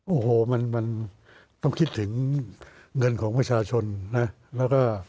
โอ้โหมันต้องคิดถึงเงินของประชาชนนะ